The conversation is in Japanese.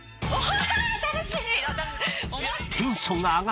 お！